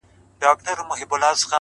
وېريږي نه خو انگازه يې بله.